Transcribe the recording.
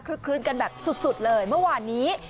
คลื้นกันแบบสุดเลยเมื่อวานนี้